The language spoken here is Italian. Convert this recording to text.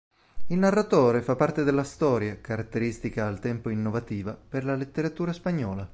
Il narratore fa parte della storia, caratteristica al tempo innovativa per la letteratura spagnola.